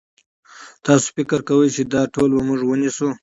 تاسو فکر کوئ چې دا ټول به موږ ونیسو؟